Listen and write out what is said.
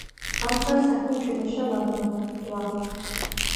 ამდღარ საქმე ჭუმეშა ვაგნო